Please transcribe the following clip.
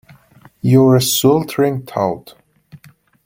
You're a sweltering toad!